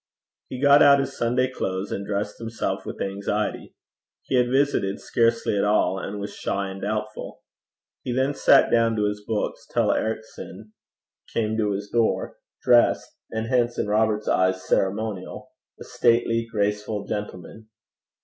He got out his Sunday clothes, and dressed himself with anxiety: he had visited scarcely at all, and was shy and doubtful. He then sat down to his books, till Ericson came to his door dressed, and hence in Robert's eyes ceremonial a stately, graceful gentleman.